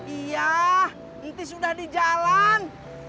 iya nanti sudah di jalan